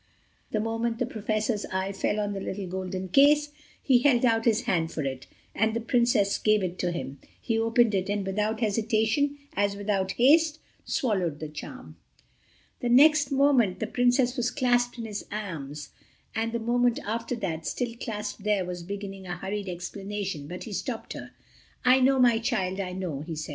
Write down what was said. The moment the Professor's eye fell on the little golden case, he held out his hand for it, and the Princess gave it to him. He opened it, and without hesitation as without haste, swallowed the charm. Next moment the Princess was clasped in his arms, and the moment after that, still clasped there, was beginning a hurried explanation; but he stopped her. "I know, my child, I know," he said.